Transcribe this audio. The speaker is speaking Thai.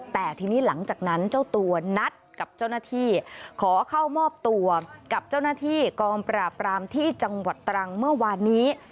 แต่ทีนี้หลังจากนั้นเจ้าตัวนัดกับเจ้าหน้าที่ขอเข้ามอบตัวกับเจ้าหน้าที่กองปราบรามที่จังหวัดตรังเมื่อวานนี้